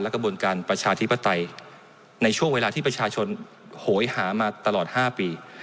กระบวนการประชาธิปไตยในช่วงเวลาที่ประชาชนโหยหามาตลอด๕ปี